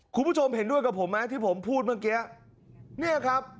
คุณผู้ชมเห็นด้วยกับผมไหมที่ผมพูดเมื่อกี้เนี่ยครับ